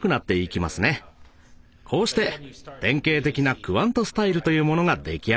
こうして典型的なクワントスタイルというものが出来上がったのです。